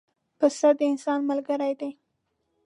پسه د انسان ملګری دی.